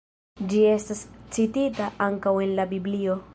Ĝi estas citita ankaŭ en la Biblio.